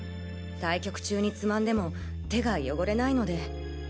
対局中につまんでも手が汚れないので。